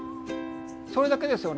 それだけですよね。